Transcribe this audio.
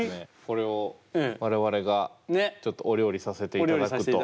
これを我々がちょっとお料理させていただくと。